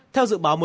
theo dự báo mới